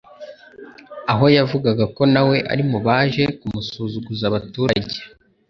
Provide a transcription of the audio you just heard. aho yavugaga ko nawe ari mu baje kumusuzuguza abaturage.